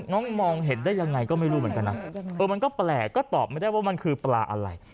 น้องมองเห็นได้ยังไงก็ไม่รู้เหมือนกันนะเออมันก็แปลกก็ตอบไม่ได้ว่ามันคือปลาอะไร